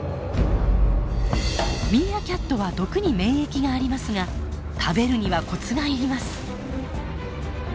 ミーアキャットは毒に免疫がありますが食べるにはコツが要ります。